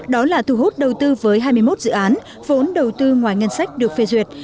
đó là thu hút đầu tư với hai mươi một dự án vốn đầu tư ngoài ngân sách được phê duyệt